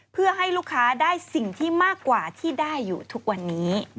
เพื่อให้ลูกค้าได้สิ่งที่มากกว่าที่ได้อยู่ทุกวันนี้